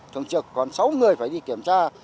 thường trực còn sáu người phải đi kiểm tra